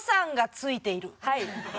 はい。